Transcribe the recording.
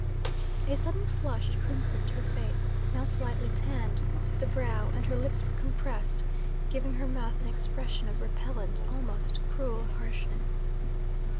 A sudden flush crimsoned her face, now slightly tanned, to the brow, and her lips were compressed, giving her mouth an expression of repellent, almost cruel harshness.